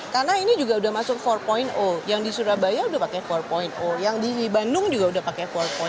karena ini juga udah masuk empat yang di surabaya udah pake empat yang di bandung juga udah pake empat